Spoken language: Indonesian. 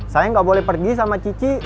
sayang gak boleh pergi sama cici